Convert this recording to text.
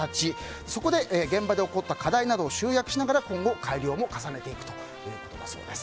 そこで現場で起こった課題などを集約しながら今後、改良も重ねていくということだそうです。